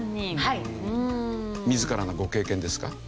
自らのご経験ですか？